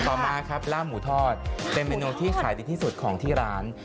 ต่อมาครับลาบหมูทอดเป็นเมนูที่ขายดีที่สุดของที่ร้าน